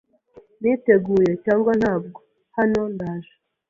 Niteguye cyangwa ntabwo, hano ndaje.